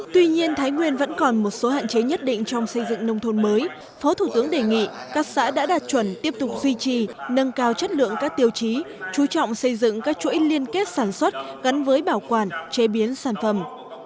tuy nhiên thái nguyên vẫn còn một số hạn chế nhất định trong xây dựng nông thôn mới phó thủ tướng đề nghị các xã đã đạt chuẩn tiếp tục duy trì nâng cao chất lượng các tiêu chí chú trọng xây dựng các chuỗi liên kết sản xuất gắn với bảo quản chế biến sản phẩm